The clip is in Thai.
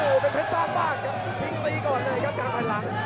โอ้โหแผนสร้างบ้านทิ้งตีก่อนเลยครับจะกลับมาหลัง